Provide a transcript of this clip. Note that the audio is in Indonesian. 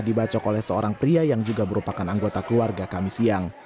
dibacok oleh seorang pria yang juga merupakan anggota keluarga kami siang